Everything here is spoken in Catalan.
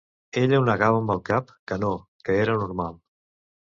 Ella ho negava amb el cap, que no, que era normal.